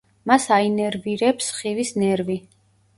მას აინერვირებს სხივის ნერვი.